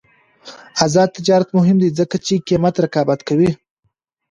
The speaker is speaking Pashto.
آزاد تجارت مهم دی ځکه چې قیمت رقابت کوي.